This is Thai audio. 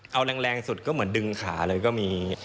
เอาแรงสุดก็เหมือนดึงขาเลยก็มี